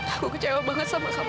aku kecewa banget sama sama